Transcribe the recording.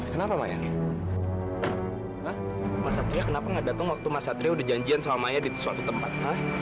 kenapa maya masa tria kenapa nggak datang waktu masa tria udah janjian sama maya di suatu tempat